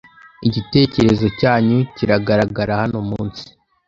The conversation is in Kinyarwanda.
Igitekerezo cyanyu kiragaragara hano munsi